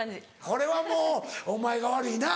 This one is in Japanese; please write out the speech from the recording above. これはもうお前が悪いな。